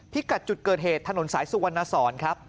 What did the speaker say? กัดจุดเกิดเหตุถนนสายสุวรรณสอนครับ